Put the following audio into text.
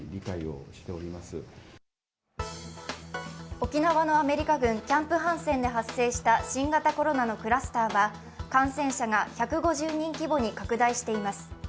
沖縄のアメリカ軍、キャンプ・ハンセンで発生した新型コロナのクラスターは、感染者が１５０人規模に拡大しています。